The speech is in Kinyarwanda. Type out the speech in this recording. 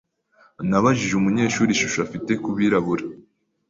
Nabajije umunyeshuri ishusho afite kubirabura.